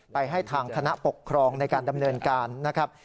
ให้ทางคณะปกครองในการดำเนินการนะครับ